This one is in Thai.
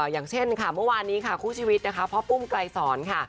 อย่างเช่นค่ะเมื่อวานนี้ค่ะคู่ชีวิตนะคะพ่อปุ้มไกรสอนค่ะ